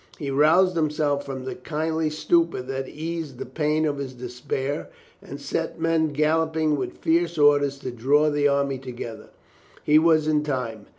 He roused himself from the kindly stupor that eased the pain of his despair, and set men galloping with fierce orders to draw the army together. He was in time.